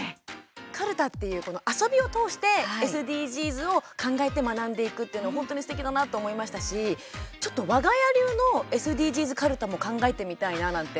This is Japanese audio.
かるたっていう遊びを通してＳＤＧｓを考えて学んでいくっていうの本当にすてきだなと思いましたしちょっと、わが家流のＳＤＧｓかるたも考えてみたいな、なんて。